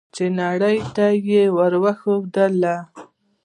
چې نړۍ ته یې وښودله.